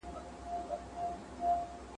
موږ پوره ډله يو.